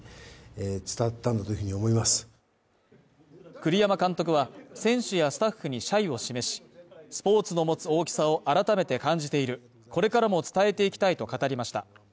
栗山監督は選手やスタッフに謝意を示し、スポーツの持つ大きさを改めて感じているこれからも伝えていきたいと語りました。